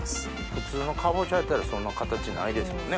普通のかぼちゃやったらそんな形ないですもんね。